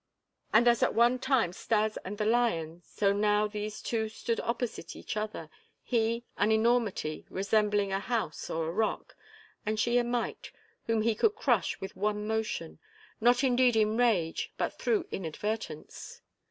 And as at one time Stas and the lion, so now these two stood opposite each other he, an enormity, resembling a house or a rock, and she a mite whom he could crush with one motion, not indeed in rage but through inadvertence.